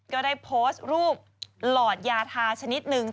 ก็ได้โพสต์รูปหลอดยาทาชนิดหนึ่ง